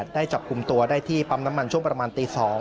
ได้จับกลุ่มตัวได้ที่ปั๊มน้ำมันช่วงประมาณตี๒